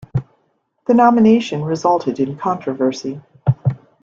The nomination resulted in controversy.